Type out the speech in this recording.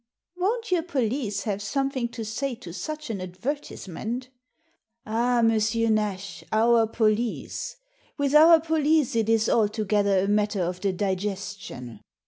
Won't your police have something to say to such an advertisement ?*'Ah, M. Nash, our police ! With our police it is altogether a matter of the digestion